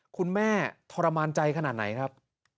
คุณแม่ทรมานใจขนาดไหนครับ